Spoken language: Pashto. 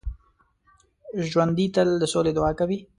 ژوندي تل د سولې دعا کوي